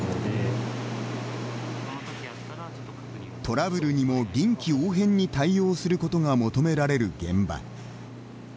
トラブルにも臨機応変に対応することが求められる現場。